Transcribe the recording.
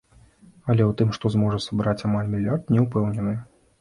Але ў тым, што зможа сабраць амаль мільярд, не ўпэўнены.